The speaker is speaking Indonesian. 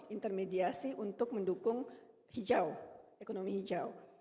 intermediasi untuk mendukung hijau ekonomi hijau